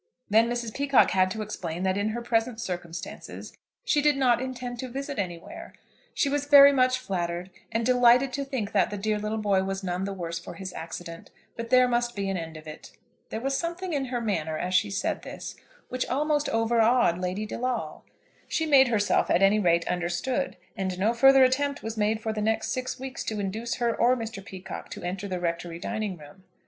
Then Mrs. Peacocke had to explain that in her present circumstances she did not intend to visit anywhere. She was very much flattered, and delighted to think that the dear little boy was none the worse for his accident; but there must be an end of it. There was something in her manner, as she said this, which almost overawed Lady De Lawle. She made herself, at any rate, understood, and no further attempt was made for the next six weeks to induce her or Mr. Peacocke to enter the Rectory dining room.